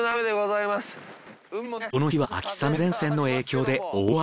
この日は秋雨前線の影響で大雨。